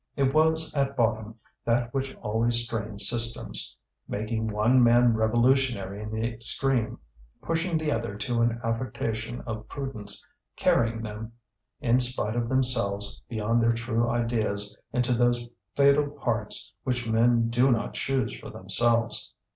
It was at bottom that which always strains systems, making one man revolutionary in the extreme, pushing the other to an affectation of prudence, carrying them, in spite of themselves, beyond their true ideas into those fatal parts which men do not choose for themselves.